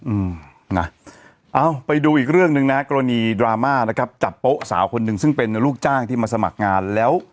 อืมนะเอาไปดูอีกเรื่องหนึ่งนะกรณีดราม่านะครับจับโป๊ะสาวคนหนึ่งซึ่งเป็นลูกจ้างที่มาสมัครงานแล้ว